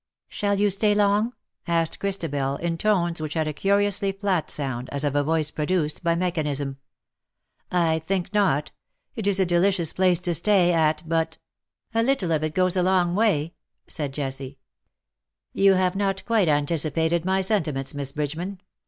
^' Shall you stay long T' asked Christabel, in tones which had a curiously flat sound, as of a voice produced by mechanism. " I think not. It is a delicious place to stay at, but '' 198 '^ AND PALE FROM THE PAST " A little of it goes a long way/^ said Jessie. " You have not quite anticipated my sentiments. Miss Bridgeman.